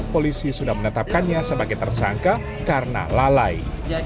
polisi sudah menetapkannya sebagai tersangka karena lalai